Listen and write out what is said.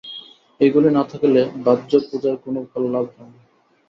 এইগুলি না থাকিলে বাহ্য পূজায় কোন ফললাভ হয় না।